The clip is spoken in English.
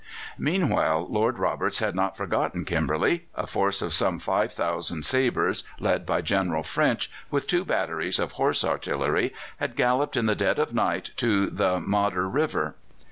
Meanwhile Lord Roberts had not forgotten Kimberley. A force of some 5,000 sabres, led by General French, with two batteries of Horse Artillery, had galloped in the dead of night to the Modder River.